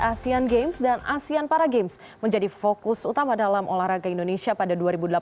asean games dan asean para games menjadi fokus utama dalam olahraga indonesia pada dua ribu delapan belas